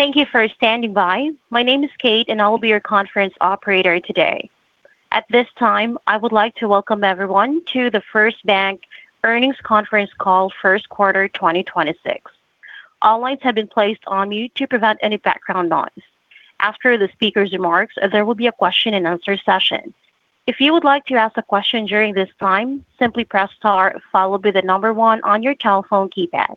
Thank you for standing by. My name is Kate, and I will be your Conference Operator today. At this time, I would like to welcome everyone to the First Bank Earnings Conference Call First Quarter 2026. All lines have been placed on mute to prevent any background noise. After the speaker's remarks, there will be a question and answer session. If you would like to ask a question during this time, simply press star followed by one on your telephone keypad.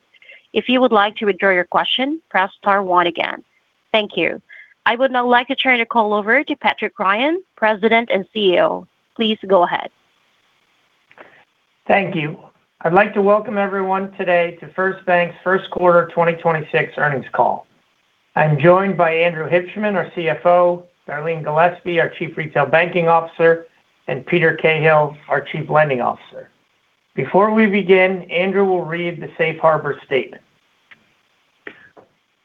If you would like to withdraw your question, press star one again. Thank you. I would now like to turn the call over to Patrick Ryan, President and CEO. Please go ahead. Thank you. I'd like to welcome everyone today to First Bank's First Quarter 2026 Earnings Call. I'm joined by Andrew Hibshman, our CFO, Darleen Gillespie, our Chief Retail Banking Officer, and Peter Cahill, our Chief Lending Officer. Before we begin, Andrew will read the safe harbor statement.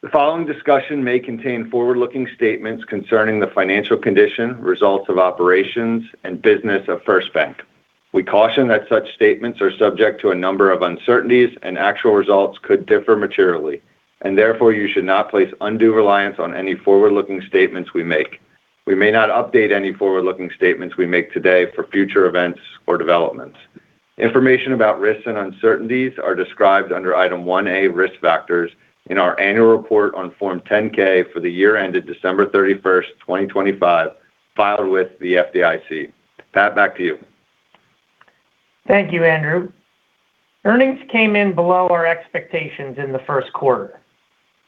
The following discussion may contain forward-looking statements concerning the financial condition, results of operations, and business of First Bank. We caution that such statements are subject to a number of uncertainties, and actual results could differ materially, and therefore you should not place undue reliance on any forward-looking statements we make. We may not update any forward-looking statements we make today for future events or developments. Information about risks and uncertainties are described under item 1A, Risk Factors, in our annual report on Form 10-K for the year ended December 31st, 2025, filed with the FDIC. Pat, back to you. Thank you, Andrew. Earnings came in below our expectations in the first quarter.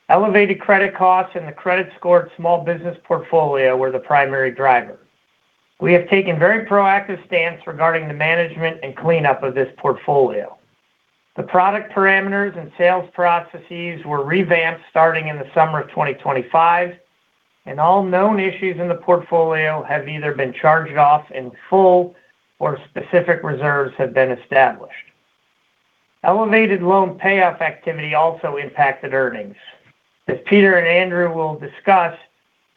Elevated credit costs and the credit scored small business portfolio were the primary driver. We have taken very proactive stance regarding the management and cleanup of this portfolio. The product parameters and sales processes were revamped starting in the summer of 2025, and all known issues in the portfolio have either been charged off in full or specific reserves have been established. Elevated loan payoff activity also impacted earnings. As Peter and Andrew will discuss,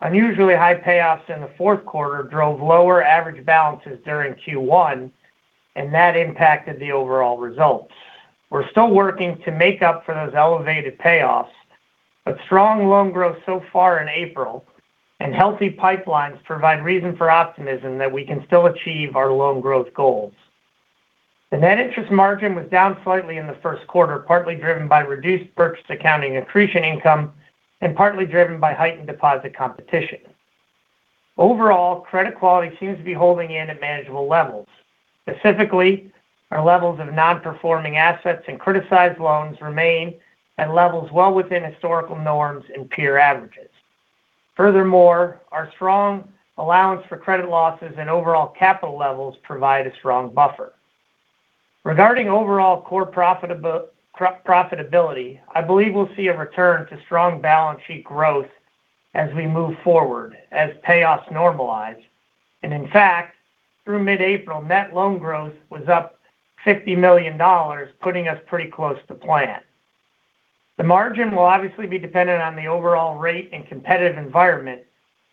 unusually high payoffs in the fourth quarter drove lower average balances during Q1, and that impacted the overall results. We're still working to make up for those elevated payoffs, but strong loan growth so far in April and healthy pipelines provide reason for optimism that we can still achieve our loan growth goals. The net interest margin was down slightly in the first quarter, partly driven by reduced purchase accounting accretion income and partly driven by heightened deposit competition. Overall, credit quality seems to be holding in at manageable levels. Specifically, our levels of non-performing assets and criticized loans remain at levels well within historical norms and peer averages. Furthermore, our strong allowance for credit losses and overall capital levels provide a strong buffer. Regarding overall core profitability, I believe we'll see a return to strong balance sheet growth as we move forward, as payoffs normalize. In fact, through mid-April, net loan growth was up $50 million, putting us pretty close to plan. The margin will obviously be dependent on the overall rate and competitive environment,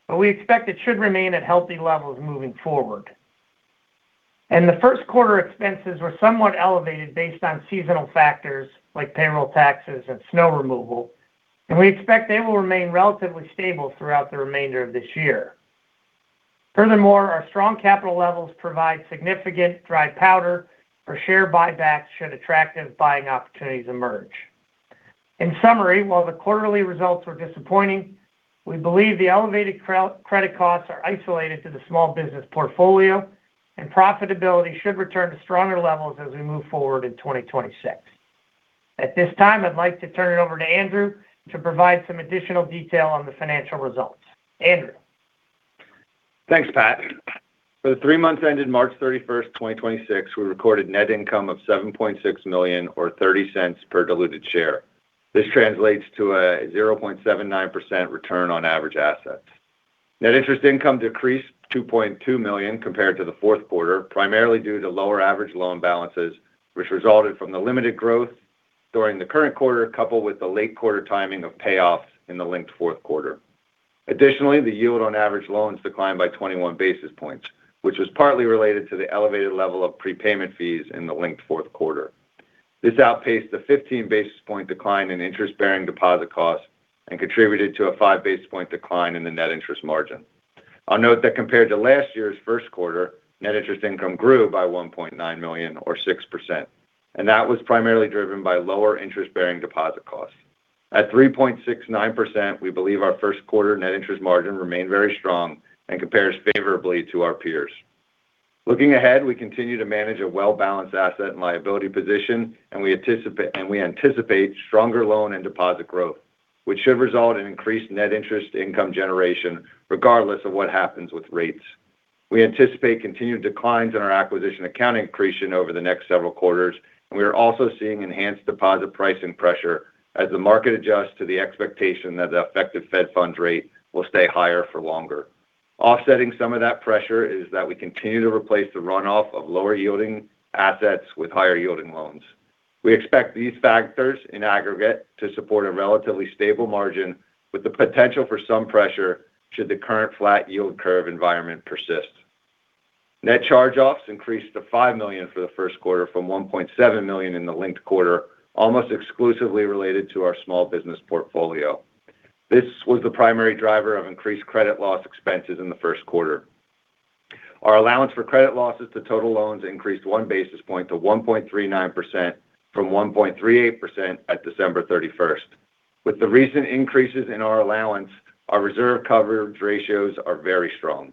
but we expect it should remain at healthy levels moving forward. The first quarter expenses were somewhat elevated based on seasonal factors like payroll taxes and snow removal, and we expect they will remain relatively stable throughout the remainder of this year. Furthermore, our strong capital levels provide significant dry powder for share buybacks should attractive buying opportunities emerge. In summary, while the quarterly results were disappointing, we believe the elevated credit costs are isolated to the small business portfolio, and profitability should return to stronger levels as we move forward in 2026. At this time, I'd like to turn it over to Andrew to provide some additional detail on the financial results. Andrew. Thanks, Pat. For the three months ended March 31, 2026, we recorded net income of $7.6 million or $0.30 per diluted share. This translates to a 0.79% return on average assets. Net interest income decreased $2.2 million compared to the fourth quarter, primarily due to lower average loan balances, which resulted from the limited growth during the current quarter coupled with the late quarter timing of payoffs in the linked fourth quarter. Additionally, the yield on average loans declined by 21 basis points, which was partly related to the elevated level of prepayment fees in the linked fourth quarter. This outpaced the 15 basis point decline in interest-bearing deposit costs and contributed to a five basis point decline in the net interest margin. I'll note that compared to last year's first quarter, net interest income grew by $1.9 million or 6%, That was primarily driven by lower interest-bearing deposit costs. At 3.69%, we believe our first quarter net interest margin remained very strong and compares favorably to our peers. Looking ahead, we continue to manage a well-balanced asset and liability position, and we anticipate stronger loan and deposit growth, which should result in increased net interest income generation regardless of what happens with rates. We anticipate continued declines in our acquisition account accretion over the next several quarters, and we are also seeing enhanced deposit pricing pressure as the market adjusts to the expectation that the effective Fed funds rate will stay higher for longer. Offsetting some of that pressure is that we continue to replace the runoff of lower yielding assets with higher yielding loans. We expect these factors in aggregate to support a relatively stable margin with the potential for some pressure should the current flat yield curve environment persist. Net charge-offs increased to $5 million for the first quarter from $1.7 million in the linked quarter, almost exclusively related to our small business portfolio. This was the primary driver of increased credit loss expenses in the first quarter. Our allowance for credit losses to total loans increased one basis point to 1.39% from 1.38% at December 31st. With the recent increases in our allowance, our reserve coverage ratios are very strong.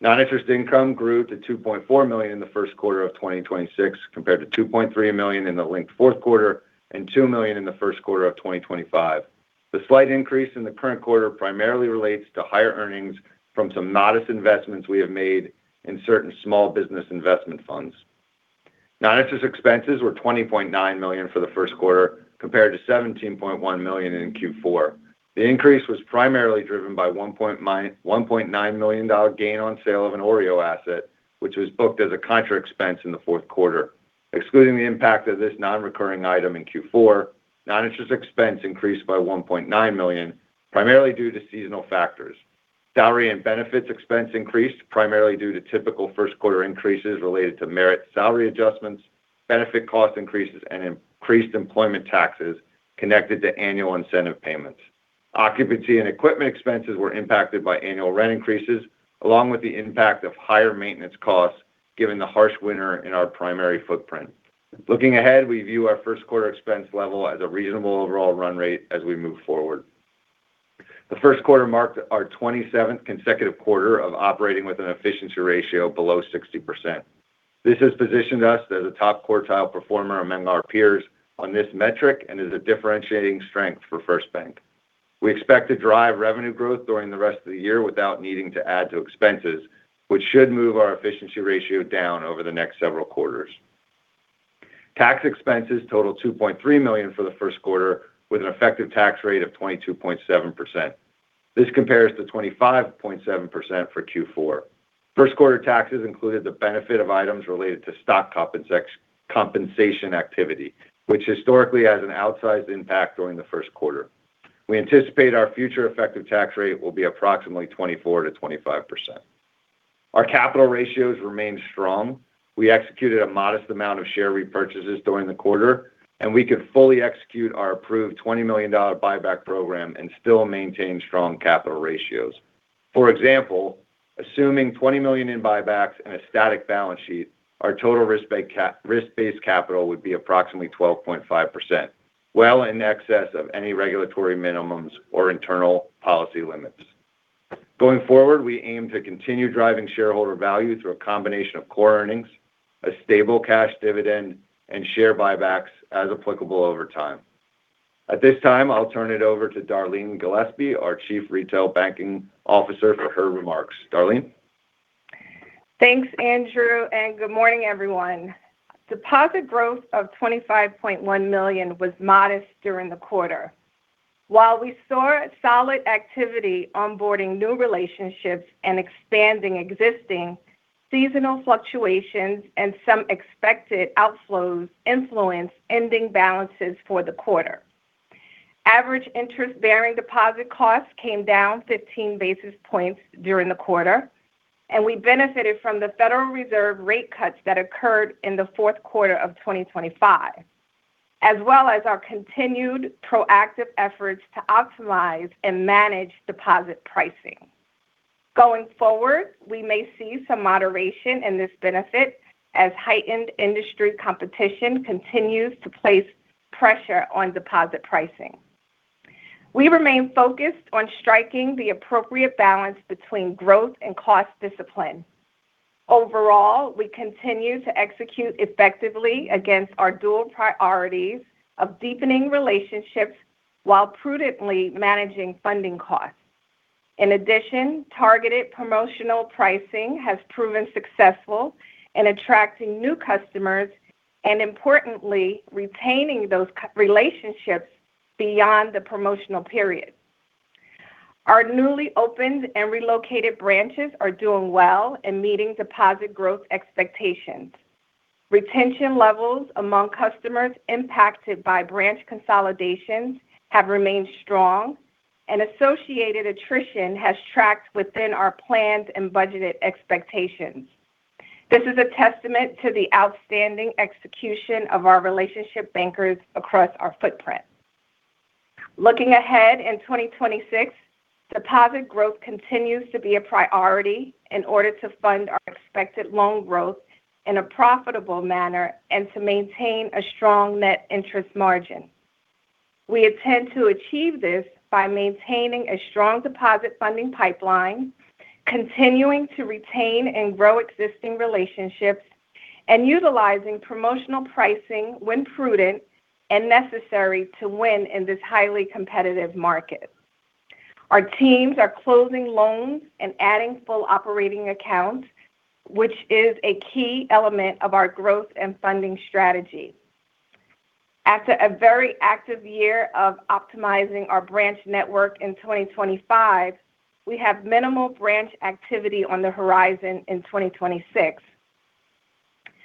Non-interest income grew to $2.4 million in the first quarter of 2026 compared to $2.3 million in the linked fourth quarter and $2 million in the first quarter of 2025. The slight increase in the current quarter primarily relates to higher earnings from some modest investments we have made in certain small business investment funds. Non-interest expenses were $20.9 million for the first quarter compared to $17.1 million in Q4. The increase was primarily driven by a $1.9 million gain on sale of an OREO asset, which was booked as a contra expense in the fourth quarter. Excluding the impact of this non-recurring item in Q4, non-interest expense increased by $1.9 million, primarily due to seasonal factors. Salary and benefits expense increased primarily due to typical first quarter increases related to merit salary adjustments, benefit cost increases, and increased employment taxes connected to annual incentive payments. Occupancy and equipment expenses were impacted by annual rent increases along with the impact of higher maintenance costs given the harsh winter in our primary footprint. Looking ahead, we view our first quarter expense level as a reasonable overall run rate as we move forward. The first quarter marked our 27th consecutive quarter of operating with an efficiency ratio below 60%. This has positioned us as a top quartile performer among our peers on this metric and is a differentiating strength for First Bank. We expect to drive revenue growth during the rest of the year without needing to add to expenses, which should move our efficiency ratio down over the next several quarters. Tax expenses totaled $2.3 million for the first quarter with an effective tax rate of 22.7%. This compares to 25.7% for Q4. First quarter taxes included the benefit of items related to stock compensation activity, which historically has an outsized impact during the first quarter. We anticipate our future effective tax rate will be approximately 24%-25%. Our capital ratios remain strong. We executed a modest amount of share repurchases during the quarter, and we could fully execute our approved $20 million buyback program and still maintain strong capital ratios. For example, assuming $20 million in buybacks and a static balance sheet, our total risk-based capital would be approximately 12.5%, well in excess of any regulatory minimums or internal policy limits. Going forward, we aim to continue driving shareholder value through a combination of core earnings, a stable cash dividend, and share buybacks as applicable over time. At this time, I'll turn it over to Darleen Gillespie, our Chief Retail Banking Officer, for her remarks. Darleen? Thanks, Andrew, and good morning, everyone. Deposit growth of $25.1 million was modest during the quarter. While we saw solid activity onboarding new relationships and expanding existing, seasonal fluctuations and some expected outflows influenced ending balances for the quarter. Average interest-bearing deposit costs came down 15 basis points during the quarter, and we benefited from the Federal Reserve rate cuts that occurred in the fourth quarter of 2025, as well as our continued proactive efforts to optimize and manage deposit pricing. Going forward, we may see some moderation in this benefit as heightened industry competition continues to place pressure on deposit pricing. We remain focused on striking the appropriate balance between growth and cost discipline. Overall, we continue to execute effectively against our dual priorities of deepening relationships while prudently managing funding costs. In addition, targeted promotional pricing has proven successful in attracting new customers and importantly, retaining those relationships beyond the promotional period. Our newly opened and relocated branches are doing well in meeting deposit growth expectations. Retention levels among customers impacted by branch consolidations have remained strong and associated attrition has tracked within our planned and budgeted expectations. This is a testament to the outstanding execution of our relationship bankers across our footprint. Looking ahead in 2026, deposit growth continues to be a priority in order to fund our expected loan growth in a profitable manner and to maintain a strong net interest margin. We intend to achieve this by maintaining a strong deposit funding pipeline, continuing to retain and grow existing relationships, and utilizing promotional pricing when prudent and necessary to win in this highly competitive market. Our teams are closing loans and adding full operating accounts, which is a key element of our growth and funding strategy. After a very active year of optimizing our branch network in 2025, we have minimal branch activity on the horizon in 2026.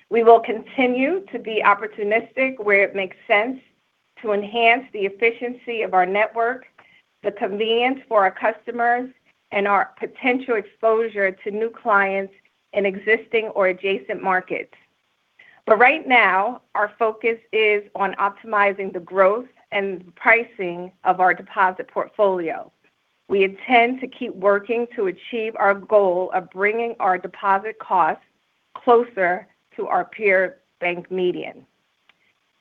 We will continue to be opportunistic where it makes sense to enhance the efficiency of our network, the convenience for our customers, and our potential exposure to new clients in existing or adjacent markets. Right now, our focus is on optimizing the growth and pricing of our deposit portfolio. We intend to keep working to achieve our goal of bringing our deposit costs closer to our peer bank median.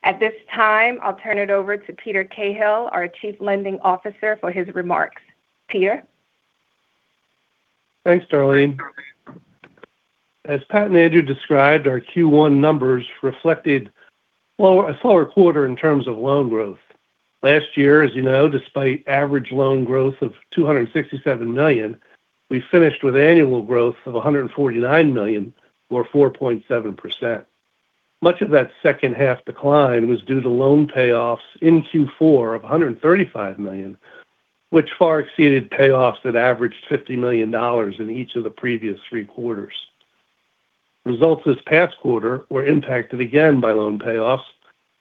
At this time, I'll turn it over to Peter Cahill, our Chief Lending Officer, for his remarks. Peter? Thanks, Darleen. As Pat and Andrew described, our Q1 numbers reflected a slower quarter in terms of loan growth. Last year, as you know, despite average loan growth of $267 million, we finished with annual growth of $149 million or 4.7%. Much of that second half decline was due to loan payoffs in Q4 of $135 million, which far exceeded payoffs that averaged $50 million in each of the previous three quarters. Results this past quarter were impacted again by loan payoffs.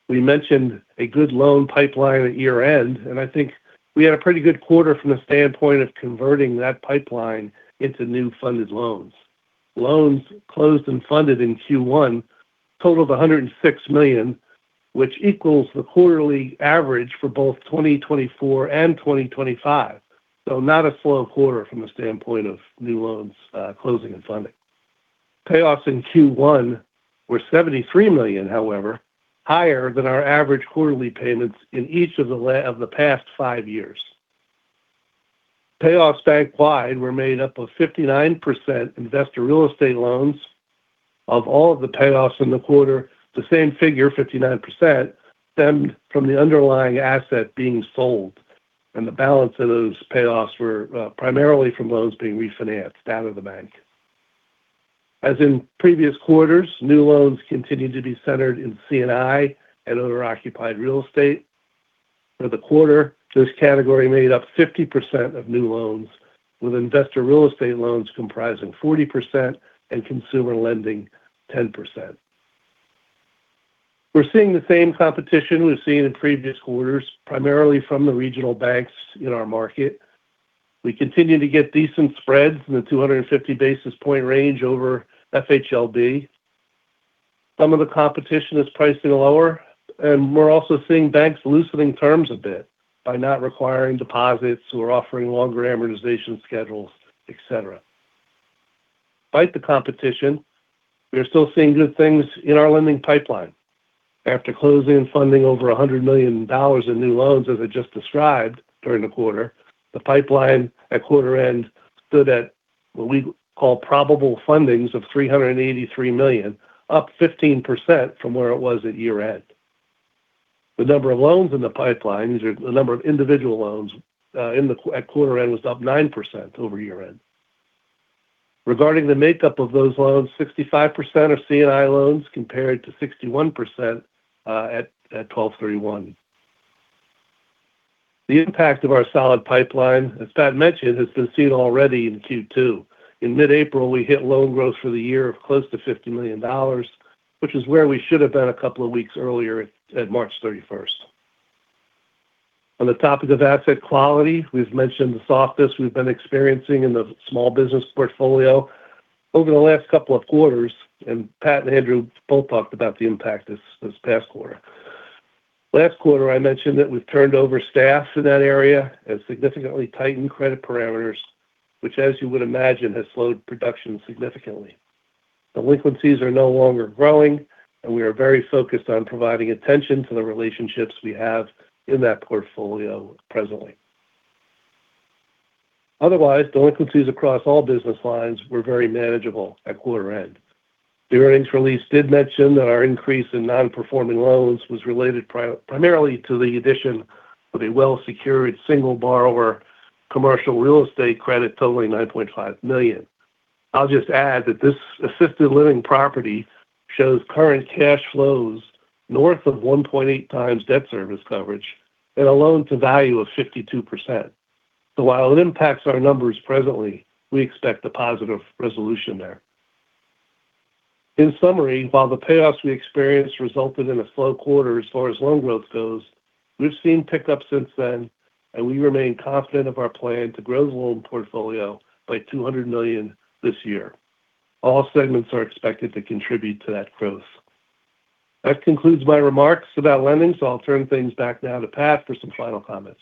We mentioned a good loan pipeline at year-end, I think we had a pretty good quarter from the standpoint of converting that pipeline into new funded loans. Loans closed and funded in Q1 totaled $106 million, which equals the quarterly average for both 2024 and 2025. Not a slow quarter from the standpoint of new loans, closing and funding. Payoffs in Q1 were $73 million, however, higher than our average quarterly payments in each of the past five years. Payoffs bank-wide were made up of 59% investor real estate loans. Of all of the payoffs in the quarter, the same figure, 59%, stemmed from the underlying asset being sold, and the balance of those payoffs were primarily from loans being refinanced out of the bank. As in previous quarters, new loans continued to be centered in C&I and owner-occupied real estate. For the quarter, this category made up 50% of new loans, with investor real estate loans comprising 40% and consumer lending 10%. We're seeing the same competition we've seen in previous quarters, primarily from the regional banks in our market. We continue to get decent spreads in the 250 basis point range over FHLB. Some of the competition is pricing lower. We're also seeing banks loosening terms a bit by not requiring deposits or offering longer amortization schedules, et cetera. Despite the competition, we are still seeing good things in our lending pipeline. After closing and funding over $100 million in new loans, as I just described, during the quarter, the pipeline at quarter end stood at what we call probable fundings of $383 million, up 15% from where it was at year-end. The number of loans in the pipeline, these are the number of individual loans, at quarter end, was up 9% over year-end. Regarding the makeup of those loans, 65% are C&I loans compared to 61% at 12/31. The impact of our solid pipeline, as Pat mentioned, has been seen already in Q2. In mid-April, we hit loan growth for the year of close to $50 million, which is where we should have been a couple of weeks earlier at March 31st. On the topic of asset quality, we've mentioned the softness we've been experiencing in the small business portfolio over the last couple of quarters, and Pat and Andrew both talked about the impact this past quarter. Last quarter, I mentioned that we've turned over staff in that area and significantly tightened credit parameters, which, as you would imagine, has slowed production significantly. Delinquencies are no longer growing, and we are very focused on providing attention to the relationships we have in that portfolio presently. Otherwise, delinquencies across all business lines were very manageable at quarter end. The earnings release did mention that our increase in non-performing loans was related primarily to the addition of a well-secured single borrower commercial real estate credit totaling $9.5 million. I'll just add that this assisted living property shows current cash flows north of 1.8 times debt service coverage and a loan to value of 52%. While it impacts our numbers presently, we expect a positive resolution there. In summary, while the payoffs we experienced resulted in a slow quarter as far as loan growth goes, we've seen pick up since then, and we remain confident of our plan to grow the loan portfolio by $200 million this year. All segments are expected to contribute to that growth. That concludes my remarks about lending, so I'll turn things back now to Pat for some final comments.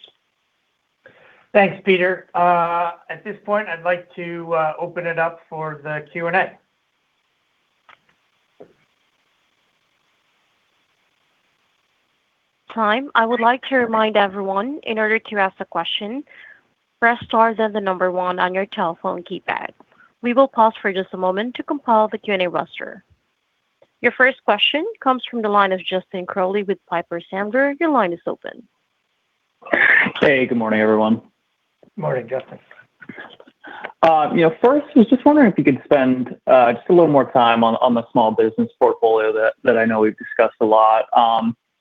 Thanks, Peter. At this point I'd like to open it up for the Q&A. Time, I would like to remind everyone, in order to ask a question, press star then the number one on your telephone keypad. We will pause for just a moment to compile the Q&A roster. Your first question comes from the line of Justin Crowley with Piper Sandler. Your line is open. Hey, good morning, everyone. Morning, Justin. You know, first, I was just wondering if you could spend, just a little more time on the small business portfolio that I know we've discussed a lot.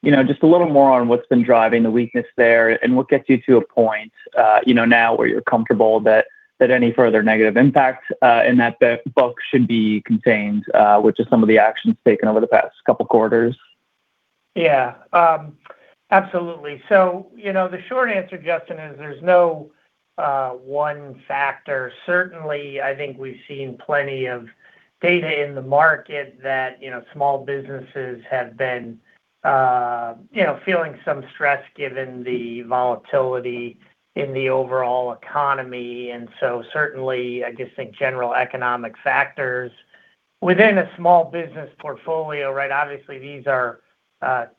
You know, just a little more on what's been driving the weakness there and what gets you to a point, you know, now where you're comfortable that any further negative impact, in that book should be contained, with just some of the actions taken over the past couple quarters? Yeah. Absolutely. You know, the short answer, Justin, is there's no one factor. Certainly, I think we've seen plenty of data in the market that, you know, small businesses have been, you know, feeling some stress given the volatility in the overall economy. Certainly, I just think general economic factors within a small business portfolio, right? Obviously, these are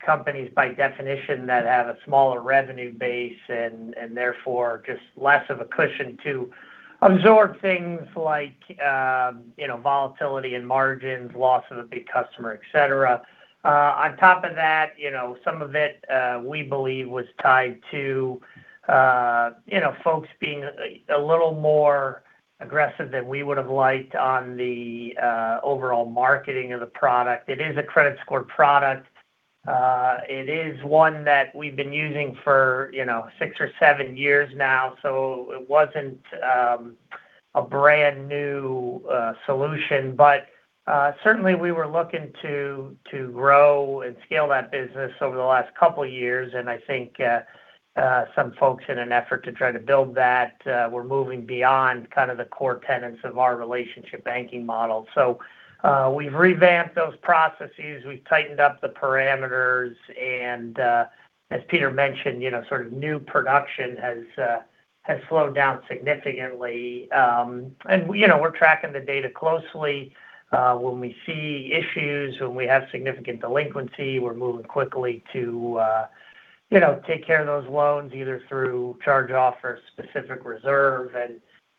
companies by definition that have a smaller revenue base and therefore just less of a cushion to absorb things like, you know, volatility and margins, loss of a big customer, et cetera. On top of that, you know, some of it we believe was tied to, you know, folks being a little more aggressive than we would've liked on the overall marketing of the product. It is a credit score product. It is one that we've been using for, you know, six or seven years now. It wasn't a brand new solution. Certainly we were looking to grow and scale that business over the last couple years. I think some folks in an effort to try to build that were moving beyond kind of the core tenets of our relationship banking model. We've revamped those processes. We've tightened up the parameters and, as Peter mentioned, you know, sort of new production has slowed down significantly. We, you know, we're tracking the data closely. When we see issues, when we have significant delinquency, we're moving quickly to, you know, take care of those loans either through charge-off or specific reserve.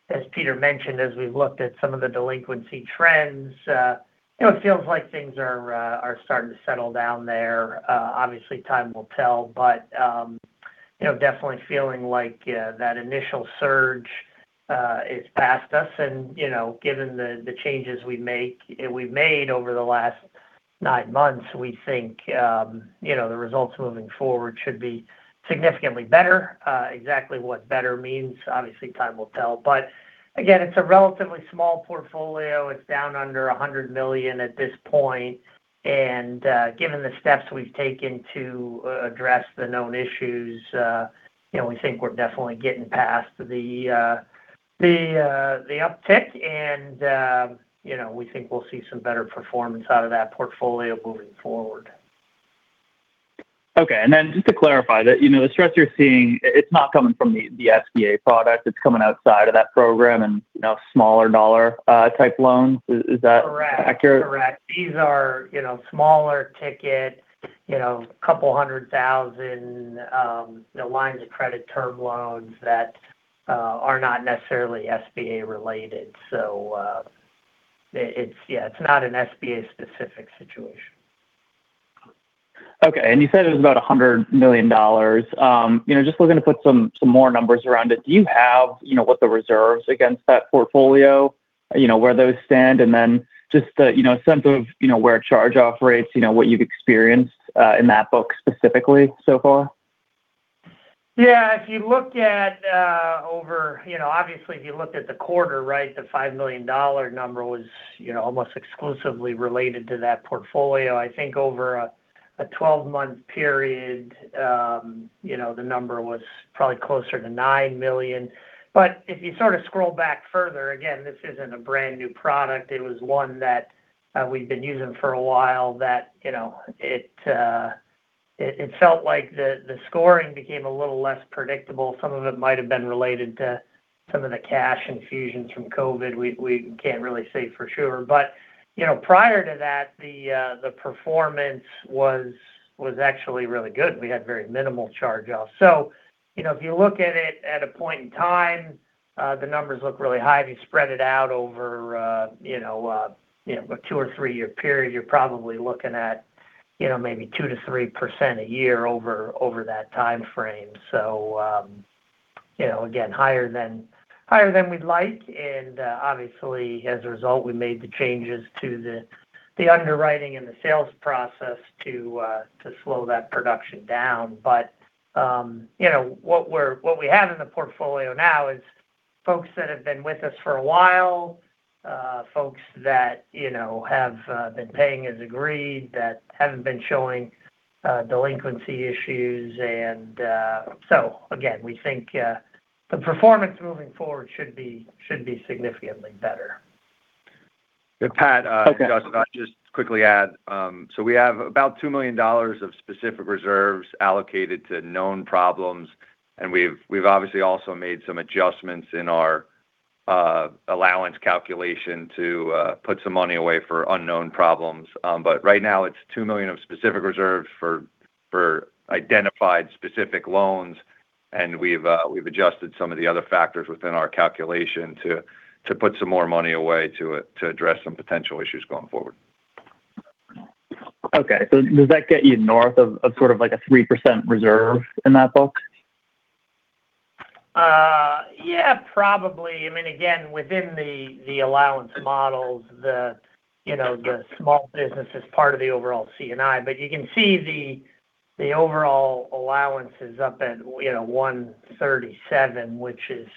As Peter mentioned, as we've looked at some of the delinquency trends, you know, it feels like things are starting to settle down there. Obviously time will tell, but, you know, definitely feeling like that initial surge is past us. You know, given the changes we've made over the last nine months, we think, you know, the results moving forward should be significantly better. Exactly what better means, obviously time will tell. Again, it's a relatively small portfolio. It's down under $100 million at this point. Given the steps we've taken to address the known issues, you know, we think we're definitely getting past the uptick and, you know, we think we'll see some better performance out of that portfolio moving forward. Okay. Just to clarify that, you know, the stress you're seeing, it's not coming from the SBA product, it's coming outside of that program and, you know, smaller dollar type loans. Is that? Correct... accurate? Correct. These are, you know, smaller ticket, you know, couple $100,000, lines of credit term loans that are not necessarily SBA related. It's not an SBA specific situation. Okay. You said it was about $100 million. You know, just looking to put some more numbers around it, do you have, you know, what the reserves against that portfolio, you know, where those stand? Just the, you know, sense of, you know, where charge-off rates, you know, what you've experienced in that book specifically so far? Yeah. If you look at, you know, obviously if you looked at the quarter, right, the $5 million number was, you know, almost exclusively related to that portfolio. I think over a 12-month period, you know, the number was probably closer to $9 million. If you sort of scroll back further, again, this isn't a brand new product, it was one that we'd been using for a while that, you know, it felt like the scoring became a little less predictable. Some of it might have been related to some of the cash infusions from COVID. We can't really say for sure. You know, prior to that, the performance was actually really good. We had very minimal charge-offs. You know, if you look at it at a point in time, the numbers look really high. If you spread it out over, you know, you know, a two or three-year period, you're probably looking at, you know, maybe 2%-3% a year over that timeframe. You know, again, higher than, higher than we'd like. Obviously as a result, we made the changes to the underwriting and the sales process to slow that production down. You know, what we have in the portfolio now is folks that have been with us for a while, folks that, you know, have been paying as agreed, that haven't been showing delinquency issues. Again, we think the performance moving forward should be significantly better. Pat... Okay Justin, I'll just quickly add. We have about $2 million of specific reserves allocated to known problems, and we've obviously also made some adjustments in our allowance calculation to put some money away for unknown problems. Right now it's $2 million of specific reserves for identified specific loans and we've adjusted some of the other factors within our calculation to put some more money away to address some potential issues going forward. Okay. Does that get you north of sort of like a 3% reserve in that book? Yeah, probably. I mean, again, within the allowance models, the small business is part of the overall C&I. You can see the overall allowance is up at, you know, 137, which is,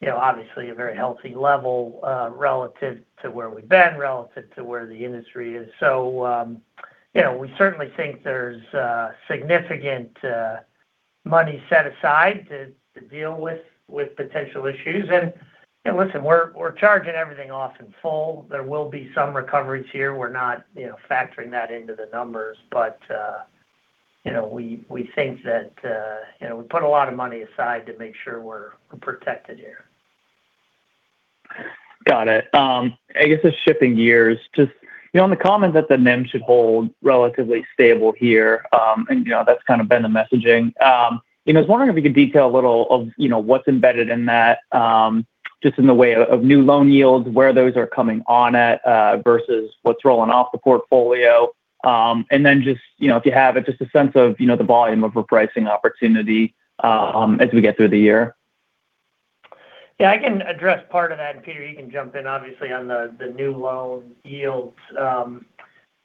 you know, obviously a very healthy level relative to where we've been, relative to where the industry is. You know, we certainly think there's significant money set aside to deal with potential issues. You know, listen, we're charging everything off in full. There will be some recoveries here. We're not, you know, factoring that into the numbers. You know, we think that, you know, we put a lot of money aside to make sure we're protected here. Got it. I guess just shifting gears, just, you know, on the comment that the NIM should hold relatively stable here, and you know, that's kind of been the messaging. You know, I was wondering if you could detail a little of, you know, what's embedded in that, just in the way of new loan yields, where those are coming on at, versus what's rolling off the portfolio. Just, you know, if you have it, just a sense of, you know, the volume of repricing opportunity, as we get through the year. Yeah, I can address part of that. Peter, you can jump in obviously on the new loan yields.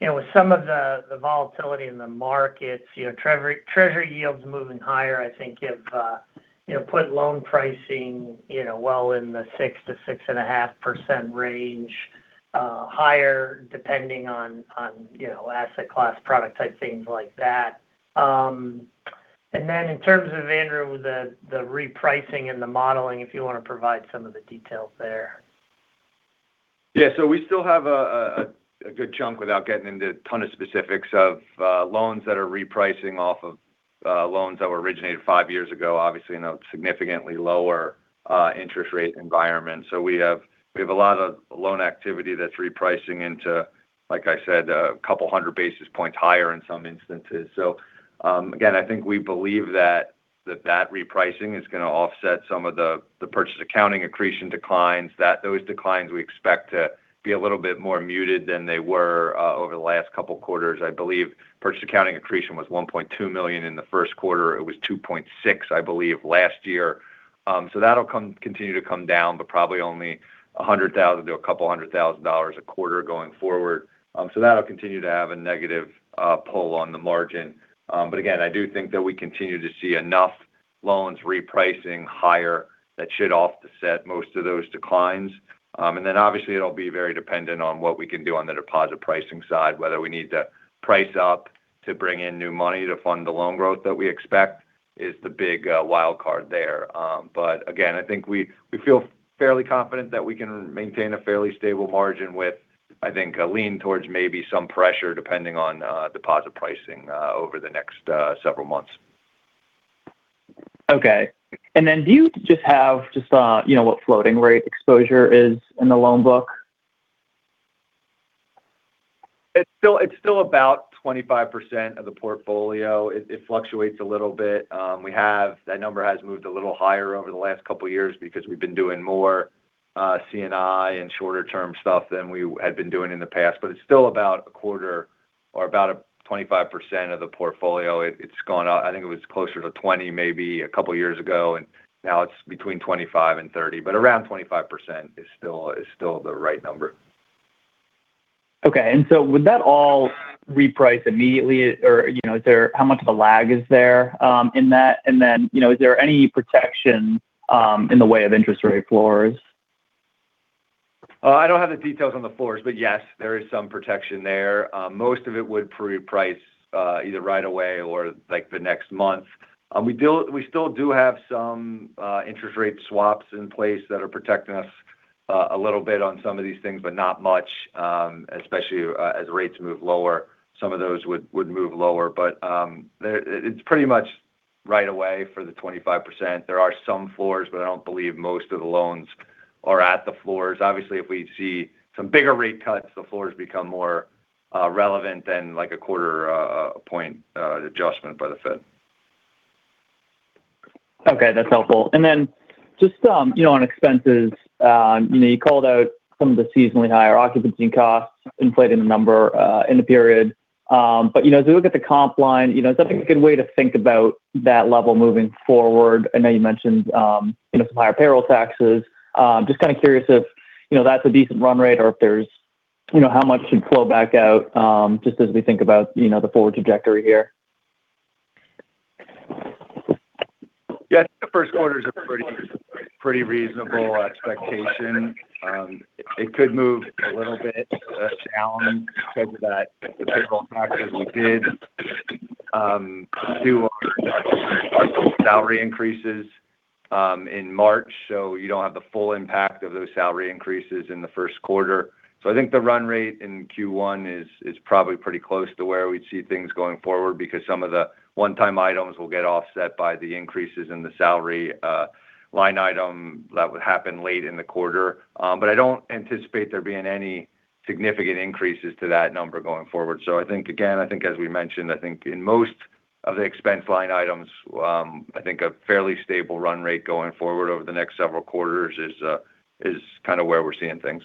You know, with some of the volatility in the markets, you know, treasury yields moving higher, I think have, you know, put loan pricing, you know, well in the 6%-6.5% range, higher depending on, you know, asset class, product type things like that. Then in terms of Andrew, the repricing and the modeling, if you want to provide some of the details there. Yeah. We still have a good chunk without getting into a ton of specifics of loans that are repricing off of loans that were originated five years ago, obviously in a significantly lower interest rate environment. We have a lot of loan activity that's repricing into, like I said, a couple hundred basis points higher in some instances. Again, I think we believe that repricing is going to offset some of the purchase accounting accretion declines that those declines we expect to be a little bit more muted than they were over the last couple quarters. I believe purchase accounting accretion was $1.2 million in the first quarter. It was $2.6 million, I believe last year. That'll continue to come down, but probably only $100,000 to a couple hundred thousand dollars a quarter going forward. That'll continue to have a negative pull on the margin. Again, I do think that we continue to see enough loans repricing higher that should offset most of those declines. Obviously it'll be very dependent on what we can do on the deposit pricing side, whether we need to price up to bring in new money to fund the loan growth that we expect is the big wild card there. Again, I think we feel fairly confident that we can maintain a fairly stable margin with, I think a lean towards maybe some pressure depending on deposit pricing over the next several months. Okay. Do you just have, you know, what floating rate exposure is in the loan book? It's still about 25% of the portfolio. It fluctuates a little bit. That number has moved a little higher over the last couple of years because we've been doing more C&I and shorter term stuff than we had been doing in the past. It's still about 25% or about a 25% of the portfolio. It's gone up. I think it was closer to 20%, maybe a couple of years ago, and now it's between 25% and 30%. Around 25% is still the right number. Okay. Would that all reprice immediately or, you know, how much of a lag is there in that? You know, is there any protection in the way of interest rate floors? I don't have the details on the floors, but yes, there is some protection there. Most of it would price either right away or like the next month. We still do have some interest rate swaps in place that are protecting us a little bit on some of these things, but not much. Especially as rates move lower, some of those would move lower. It's pretty much right away for the 25%. There are some floors, but I don't believe most of the loans are at the floors. Obviously, if we see some bigger rate cuts, the floors become more relevant than like a quarter point adjustment by the Fed. Okay. That's helpful. You know, on expenses, you know, you called out some of the seasonally higher occupancy costs inflated the number in the period. You know, as we look at the comp line, you know, is that a good way to think about that level moving forward? I know you mentioned, you know, some higher payroll taxes. Just kind of curious if, you know, that's a decent run rate or if there's, you know, how much should flow back out, just as we think about, you know, the forward trajectory here. Yeah. The first quarter is a pretty reasonable expectation. It could move a little bit down because of that payroll taxes. We did do our salary increases in March, so you don't have the full impact of those salary increases in the first quarter. I think the run rate in Q1 is probably pretty close to where we'd see things going forward because some of the one-time items will get offset by the increases in the salary line item that would happen late in the quarter. I don't anticipate there being any significant increases to that number going forward. I think, again, I think as we mentioned, I think in most of the expense line items, I think a fairly stable run rate going forward over te next several quarters is kind of where we're seeing things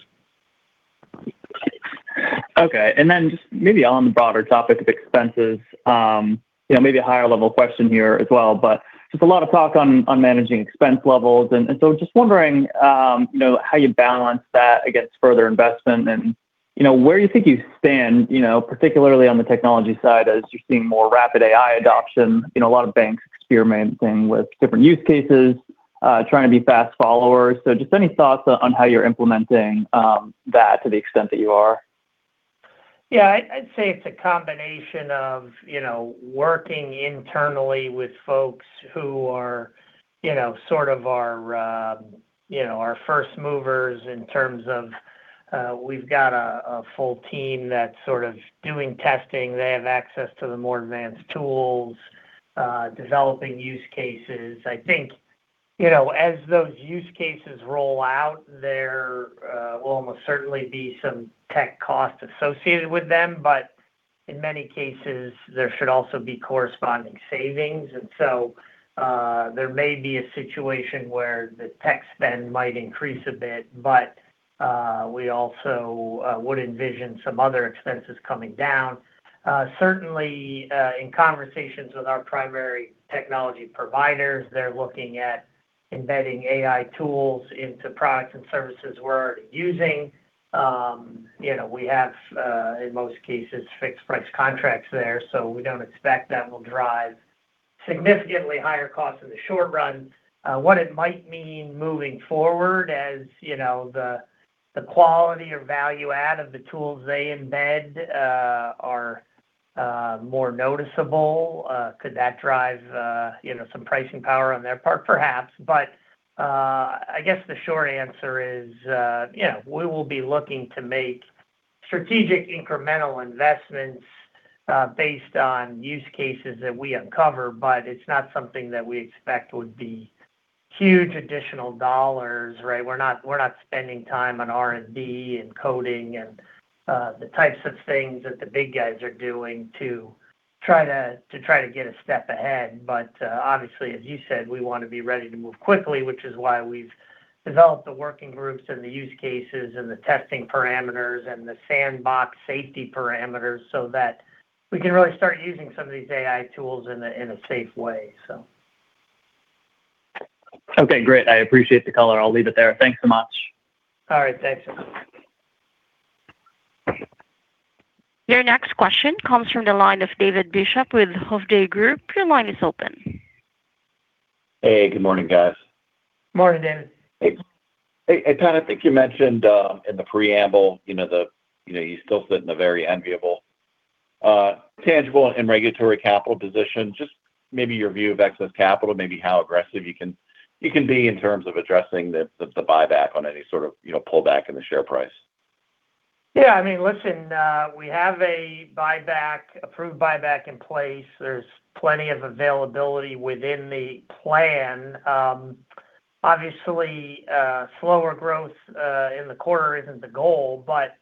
Okay. Then just maybe on the broader topic of expenses, you know, maybe a higher level question here as well, but just a lot of talk on managing expense levels. So just wondering, you know, how you balance that against further investment. You know, where do you think you stand, you know, particularly on the technology side as you're seeing more rapid AI adoption? You know, a lot of banks experimenting with different use cases, trying to be fast followers. So just any thoughts on how you're implementing that to the extent that you are? Yeah. I'd say it's a combination of, you know, working internally with folks who are, you know, sort of our, you know, our first movers in terms of, we've got a full team that's sort of doing testing. They have access to the more advanced tools, developing use cases. I think, you know, as those use cases roll out, there will almost certainly be some tech costs associated with them. In many cases, there should also be corresponding savings. There may be a situation where the tech spend might increase a bit, but we also would envision some other expenses coming down. Certainly, in conversations with our primary technology providers, they're looking at embedding AI tools into products and services we're already using. You know, we have in most cases, fixed price contracts there, so we don't expect that will drive significantly higher costs in the short run. What it might mean moving forward, as, you know, the quality or value add of the tools they embed are more noticeable. Could that drive, you know, some pricing power on their part? Perhaps. I guess the short answer is, you know, we will be looking to make strategic incremental investments based on use cases that we uncover, but it's not something that we expect would be huge additional dollars, right? We're not, we're not spending time on R&D and coding and the types of things that the big guys are doing to try to get a step ahead. Obviously, as you said, we wanna be ready to move quickly, which is why we've developed the working groups and the use cases and the testing parameters and the sandbox safety parameters so that we can really start using some of these AI tools in a, in a safe way, so. Okay. Great. I appreciate the color. I'll leave it there. Thanks so much. All right. Thanks. Your next question comes from the line of David Bishop with Hovde Group. Your line is open. Hey, good morning, guys. Morning, David. Hey, Pat, I think you mentioned in the preamble, you know, the, you know, you still sit in a very enviable, tangible and regulatory capital position. Just maybe your view of excess capital, maybe how aggressive you can, you can be in terms of addressing the buyback on any sort of, you know, pullback in the share price? Yeah, I mean, listen, we have a buyback, approved buyback in place. There's plenty of availability within the plan. Obviously, slower growth in the quarter isn't the goal, but,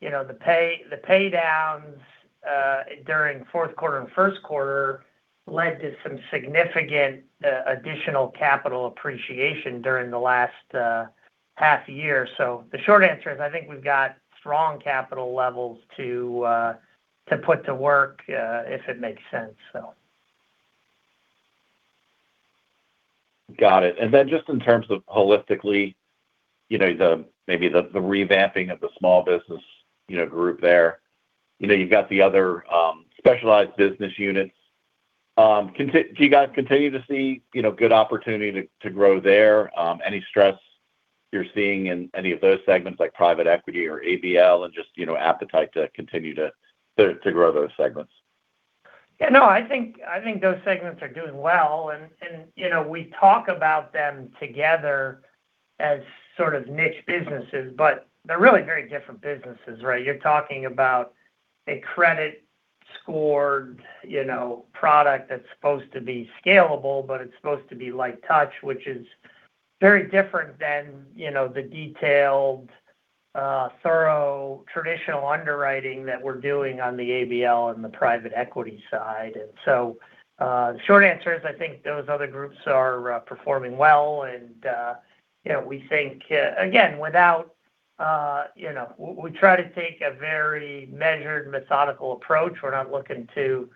you know, the pay downs during fourth quarter and first quarter led to some significant additional capital appreciation during the last half year. The short answer is, I think we've got strong capital levels to put to work if it makes sense. Got it. Just in terms of holistically, you know, the revamping of the small business, you know, group there. You've got the other specialized business units. Do you guys continue to see good opportunity to grow there? Any stress you're seeing in any of those segments like private equity or ABL and just appetite to continue to grow those segments? Yeah, no, I think, I think those segments are doing well. You know, we talk about them together as sort of niche businesses, but they're really very different businesses, right? You're talking about a credit scored, you know, product that's supposed to be scalable, but it's supposed to be light touch, which is very different than, you know, the detailed, thorough traditional underwriting that we're doing on the ABL and the private equity side. The short answer is I think those other groups are performing well. You know, we think, again, without, you know, we try to take a very measured, methodical approach. We're not looking to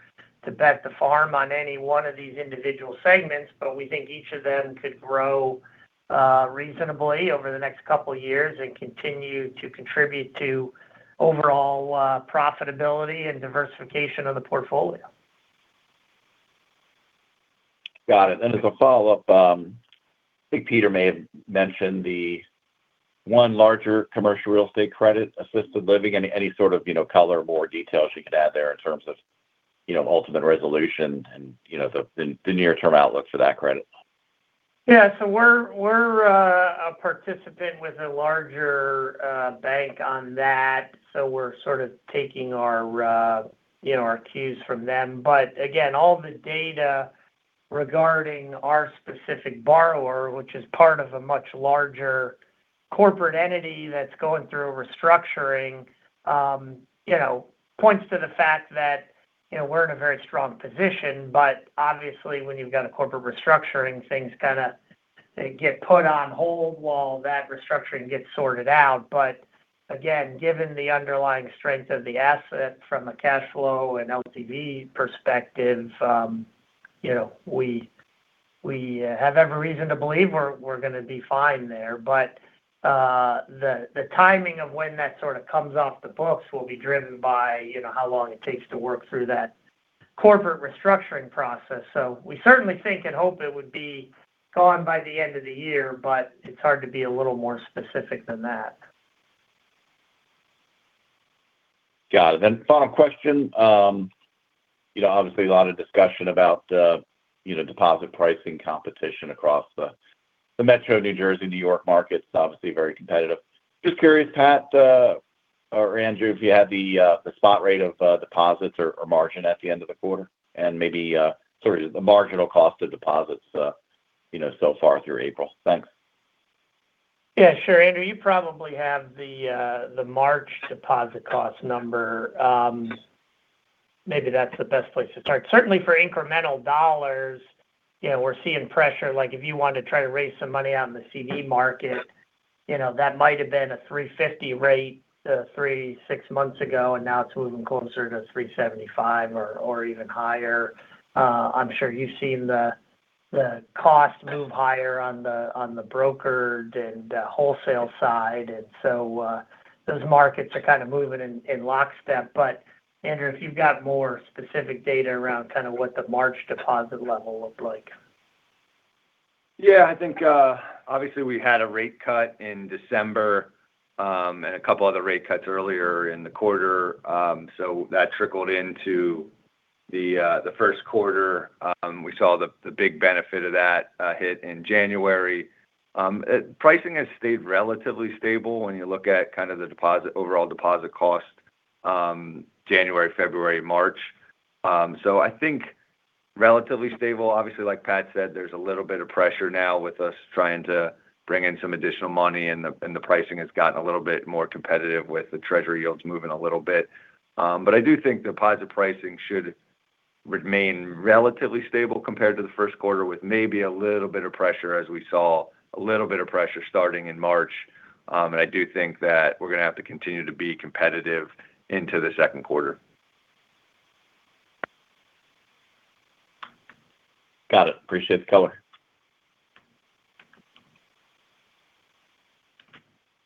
bet the farm on any one of these individual segments, but we think each of them could grow reasonably over the next couple of years and continue to contribute to overall profitability and diversification of the portfolio. Got it. As a follow-up, I think Peter may have mentioned the one larger commercial real estate credit, assisted living. Any sort of, you know, color or details you could add there in terms of, you know, ultimate resolution and, you know, the near term outlook for that credit? So we're a participant with a larger bank on that, so we're sort of taking our, you know, our cues from them. Again, all the data regarding our specific borrower, which is part of a much larger corporate entity that's going through restructuring, you know, points to the fact that, you know, we're in a very strong position. Obviously, when you've got a corporate restructuring, things kinda get put on hold while that restructuring gets sorted out. Again, given the underlying strength of the asset from a cash flow and LTV perspective, you know, we have every reason to believe we're gonna be fine there. The timing of when that sort of comes off the books will be driven by, you know, how long it takes to work through that corporate restructuring process. We certainly think and hope it would be gone by the end of the year, but it's hard to be a little more specific than that. Got it. Final question. You know, obviously a lot of discussion about the, you know, deposit pricing competition across the metro New Jersey/New York market. It's obviously very competitive. Just curious, Pat, or Andrew, if you had the spot rate of deposits or margin at the end of the quarter and maybe sort of the marginal cost of deposits, you know, so far through April. Thanks. Yeah, sure. Andrew, you probably have the March deposit cost number. Maybe that's the best place to start. Certainly for incremental dollars, you know, we're seeing pressure. Like if you want to try to raise some money on the CD market, you know, that might have been a 3.50% rate, three, six months ago, now it's moving closer to 3.75% or even higher. I'm sure you've seen the cost move higher on the brokered and wholesale side. Those markets are kind of moving in lockstep. Andrew, if you've got more specific data around kind of what the March deposit level looked like. Yeah. I think, obviously we had a rate cut in December, and a couple other rate cuts earlier in the quarter. That trickled into the first quarter. We saw the big benefit of that hit in January. Pricing has stayed relatively stable when you look at kind of the deposit, overall deposit cost, January, February, March. I think relatively stable. Obviously, like Pat said, there's a little bit of pressure now with us trying to bring in some additional money and the pricing has gotten a little bit more competitive with the treasury yields moving a little bit. I do think deposit pricing should remain relatively stable compared to the first quarter with maybe a little bit of pressure as we saw a little bit of pressure starting in March. I do think that we're gonna have to continue to be competitive into the second quarter. Got it. Appreciate the color.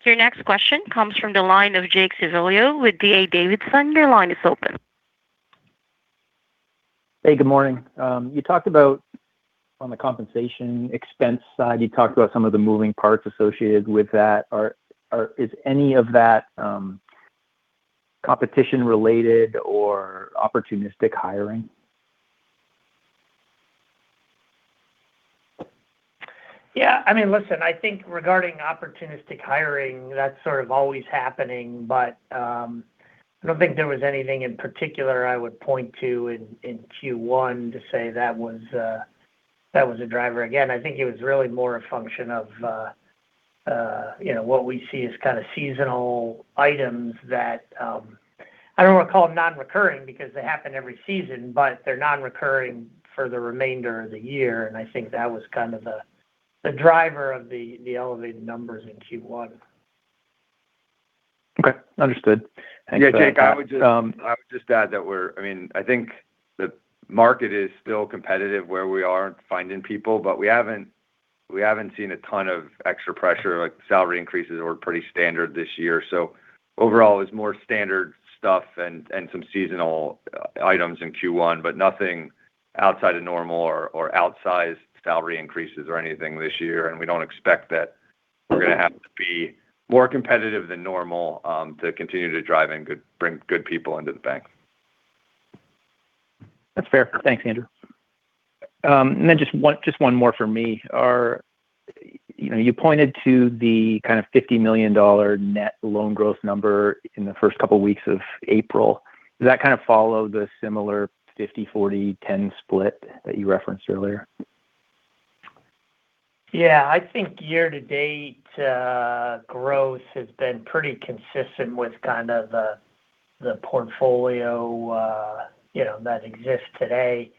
Your next question comes from the line of Jake Civiello with D.A. Davidson. Your line is open. Hey, good morning. You talked about on the compensation expense side, you talked about some of the moving parts associated with that. Is any of that, competition related or opportunistic hiring? Yeah. I mean, listen, I think regarding opportunistic hiring, that's sort of always happening. I don't think there was anything in particular I would point to in Q1 to say that was a driver. Again, I think it was really more a function of, you know, what we see as kind of seasonal items that I don't wanna call them non-recurring because they happen every season, but they're non-recurring for the remainder of the year. I think that was kind of the driver of the elevated numbers in Q1. Okay. Understood. Thanks for that. Yeah. Jake, I would just... Um- I would just add that I mean, I think the market is still competitive where we are finding people, but we haven't seen a ton of extra pressure. Like salary increases were pretty standard this year. Overall it's more standard stuff and some seasonal items in Q1, but nothing outside of normal or outsized salary increases or anything this year. We don't expect that we're gonna have to be more competitive than normal to continue to drive and bring good people into the bank. That's fair. Thanks, Andrew. Just one more from me. You know, you pointed to the kind of $50 million net loan growth number in the first couple weeks of April. Does that kind of follow the similar 50/40/10 split that you referenced earlier? Yeah. I think year to date growth has been pretty consistent with kind of the portfolio, you know, that exists today.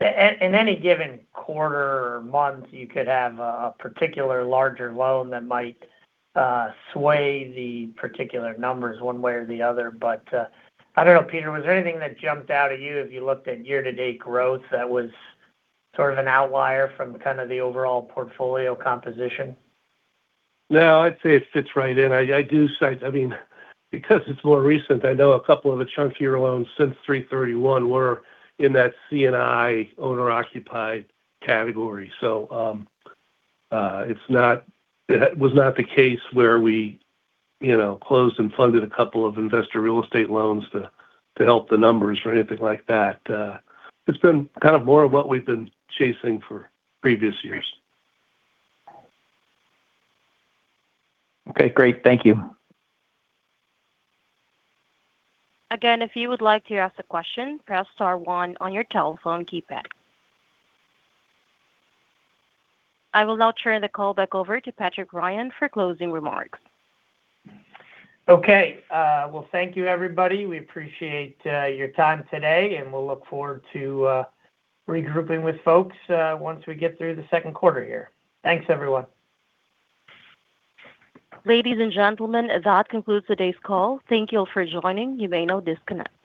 Any given quarter or month you could have a particular larger loan that might sway the particular numbers one way or the other. I don't know, Peter, was there anything that jumped out at you if you looked at year to date growth that was sort of an outlier from kind of the overall portfolio composition? No, I'd say it fits right in. I mean, because it's more recent, I know a couple of the chunkier loans since 3/31 were in that C&I owner-occupied category. It was not the case where we, you know, closed and funded a couple of investor real estate loans to help the numbers or anything like that. It's been kind of more of what we've been chasing for previous years. Okay, great. Thank you. I will now turn the call back over to Patrick Ryan for closing remarks. Well, thank you everybody. We appreciate your time today, and we'll look forward to regrouping with folks once we get through the second quarter here. Thanks, everyone. Ladies and gentlemen, that concludes today's call. Thank you all for joining. You may now disconnect.